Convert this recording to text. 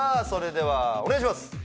それではお願いします